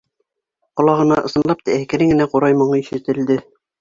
Ҡолағына ысынлап та әкрен генә ҡурай моңо ишетелде.